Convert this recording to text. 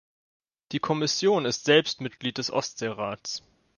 Die Kommission ist selbst Mitglied des Ostseerats.